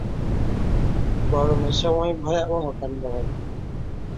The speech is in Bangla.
গরমের সময় ভয়াবহ কাণ্ড হয়।